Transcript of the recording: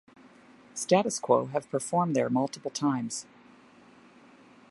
Status Quo have performed there multiple times.